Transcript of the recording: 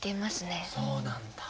そうなんだ。